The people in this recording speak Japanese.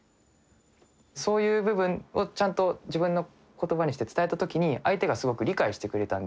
そういう部分をちゃんと自分の言葉にして伝えた時に相手がすごく理解してくれたんで。